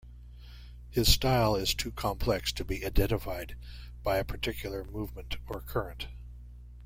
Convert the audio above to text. His style is too complex to be identified by a particular movement or current.